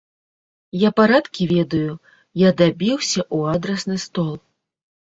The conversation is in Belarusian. Я парадкі ведаю, я дабіўся ў адрасны стол.